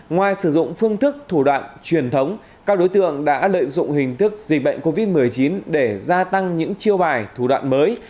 ngoài sử dụng phương thức thủ đoạn truyền thống các đối tượng đã lợi dụng hình thức dịch bệnh covid một mươi chín để gia tăng những chiêu bài thủ đoạn mới